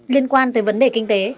liên quan tới vấn đề kinh tế